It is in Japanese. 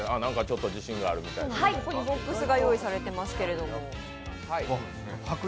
ここにボックスが用意されていますけれども。